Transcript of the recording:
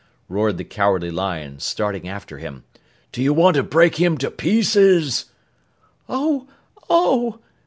roared the Cowardly Lion, starting after him. "Do you want to break him to pieces?" "Oh! Oh!